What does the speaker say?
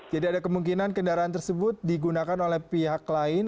jadi ada kemungkinan kendaraan tersebut digunakan oleh pihak lain